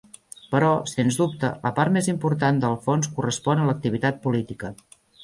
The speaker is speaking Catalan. Però, sens dubte, la part més important del fons correspon a l'activitat política.